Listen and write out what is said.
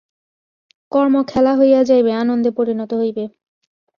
কর্ম খেলা হইয়া যাইবে, আনন্দে পরিণত হইবে।